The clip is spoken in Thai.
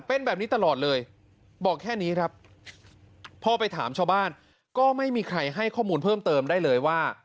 เป็นแบบนี้ตลอดเลยบอกแค่นี้ครับพอไปถามชาวบ้านก็ไม่มีใครให้ข้อมูลเพิ่มเติมได้เลยว่า